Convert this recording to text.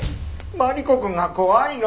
マリコくんが怖いの！